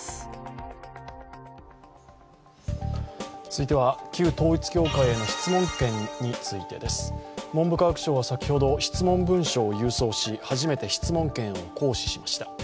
続いては、旧統一教会への質問権についてです。文部科学省は先ほど、質問文書を郵送し、初めて質問権を行使しました。